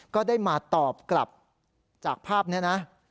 ก็ได้มาตอบกลับจากภาพนี้นะ